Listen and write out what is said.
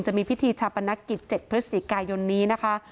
จะมีพิธีชาปนกิจ๗พฤศจิกายนนี้นะคะ